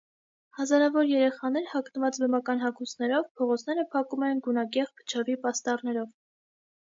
Հազարավոր երեխաներ՝ հագնված բեմական հագուստներով, փողոցները փակում են գունագեղ փչովի պաստառներով։